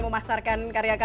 terus mau ada karya lagi